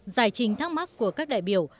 giải trình thắc mắc của các đại biểu